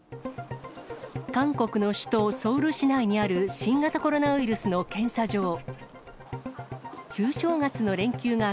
韓国の首都ソウル市内にある新型コロナウイルスの検査場。